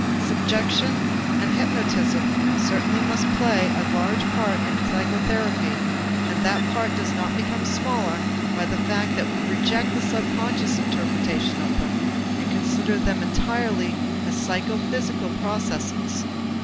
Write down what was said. Suggestion and hypnotism certainly must play a large part in psychotherapy and that part does not become smaller by the fact that we reject the subconscious interpretation of them and consider them entirely as psychophysical processes.